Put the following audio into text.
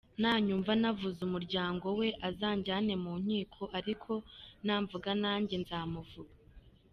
Nanyumva navuze umuryango we azanjyanye mu nkiko, ariko namvuga nanjye nzamuvuga.